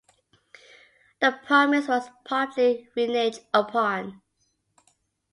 The promise was promptly reneged upon.